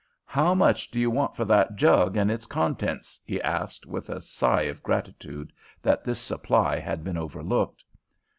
"How much do you want for that jug and its contents?" he asked, with a sigh of gratitude that this supply had been overlooked.